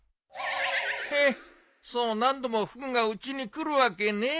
へっそう何度もフグがうちに来るわけねえだろ。